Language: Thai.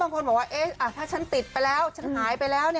คนบอกว่าถ้าฉันติดไปแล้วฉันหายไปแล้ว